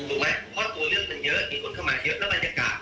ถูกไหมเพราะตัวเรื่องมันเยอะมีคนเข้ามาเยอะแล้วบรรยากาศ